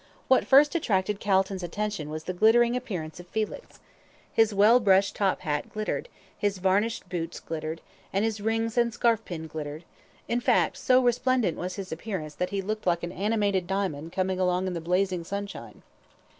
What first attracted Calton's attention was the glittering appearance of Felix. His well brushed top hat glittered, his varnished boots glittered, and his rings and scarf pin glittered; in fact, so resplendent was his appearance that he looked like an animated diamond coming along in the blazing sunshine.